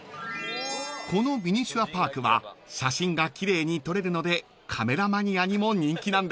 ［このミニチュアパークは写真が奇麗に撮れるのでカメラマニアにも人気なんです］